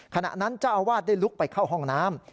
ขณะนั้นเจ้าอาวาสได้ลุกไปเข้าห้องน้ำ